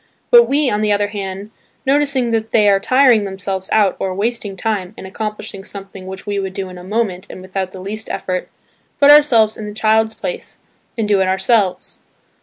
But we, on the other hand, noticing that they are "tiring themselves out" or "wasting time" in accomplishing something which we would do in a moment and without the least effort, put ourselves in the child's place and do it ourselves.